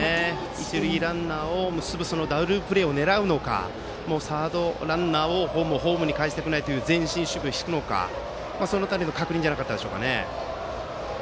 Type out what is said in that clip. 一塁ランナーでダブルプレーを狙うのかサードランナーをホームにかえしたくないという前進守備を敷くのかその辺りの確認だと思います。